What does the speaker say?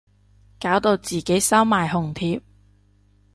搞到自己收埋紅帖